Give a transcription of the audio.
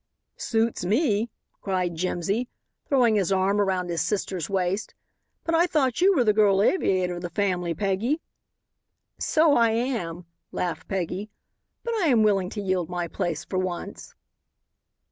"Suits me," cried Jimsy, throwing his arm around his sister's waist, "but I thought you were the girl aviator of the family, Peggy." "So I am," laughed Peggy, "but I am willing to yield my place for once."